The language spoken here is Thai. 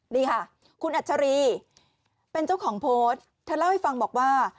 นี่ค่ะคุณอัชรีเป็นเจ้าของโพสต์เธอเล่าให้ฟังบอกว่า